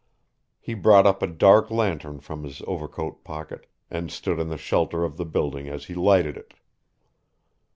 He brought up a dark lantern from his overcoat pocket, and stood in the shelter of the building as he lighted it.